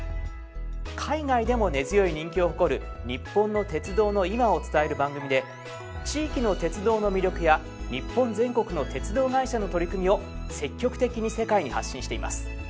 海外でも根強い人気を誇る日本の鉄道の今を伝える番組で地域の鉄道の魅力や日本全国の鉄道会社の取り組みを積極的に世界に発信しています。